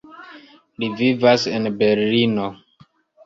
Li vivas en Berlino.